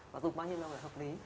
và dùng bao nhiêu lâu là hợp lý